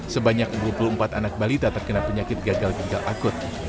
sebanyak dua puluh empat anak balita terkena penyakit gagal ginjal akut